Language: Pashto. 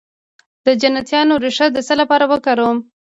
د جنتیانا ریښه د څه لپاره وکاروم؟